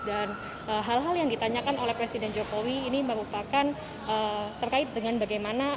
dan hal hal yang ditanyakan oleh presiden jokowi ini merupakan terkait dengan bagaimana